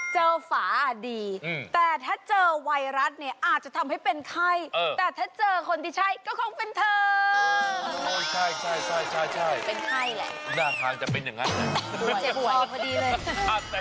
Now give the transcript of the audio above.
ฝาดีแต่ถ้าเจอไวรัสเนี่ยอาจจะทำให้เป็นไข้แต่ถ้าเจอคนที่ใช่ก็คงเป็นเธอ